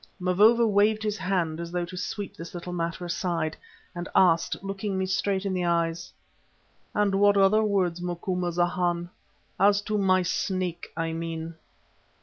Mavovo waved his hand as though to sweep this little matter aside, and asked, looking me straight in the eyes: "And what other words, Macumazana? As to my Snake I mean."